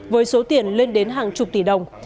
với số tiền lên đến hàng chục tỷ đồng